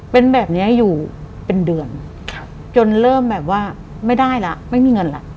เป็นแบบนี้อยู่เป็นเดือนจนเริ่มแบบว่าไม่ได้แล้วไม่มีเงินแล้ว